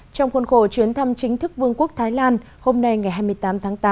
trong khuôn khổ chuyến thăm chính thức vương quốc thái lan hôm nay ngày hai mươi tám tháng tám